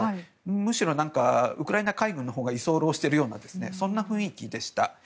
むしろウクライナ海軍のほうが居候しているようなそんな雰囲気でした。